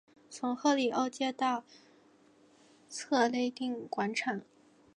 从赫里欧街到策肋定广场。